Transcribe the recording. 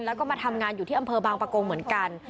แล้วก็มาทำงานอยู่ที่อำเภอบางประกงเหมือนกัน